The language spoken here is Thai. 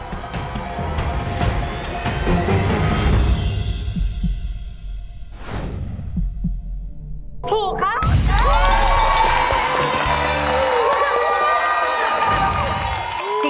ถูกครับ